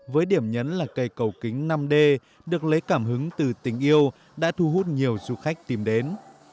với điểm nhấn là cây cầu kính năm d được lấy cảm hứng từ tình yêu đã thu hút nhiều du khách tìm đến